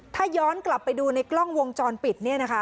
ถ้าย้อนกลับไปดูในกล้องวงจรปิด